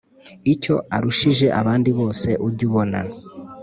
icyo arushije abandi bose ujya ubona